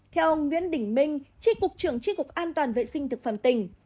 theo ông nguyễn đỉnh minh trị cục trưởng trị cục an toàn vệ sinh thực phẩm tỉnh